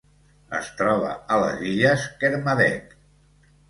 Es troba a les Illes Kermadec.